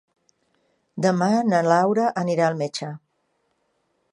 Demà na Laura anirà al metge.